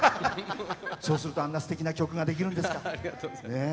そうするとあんなすてきな曲ができるんですか。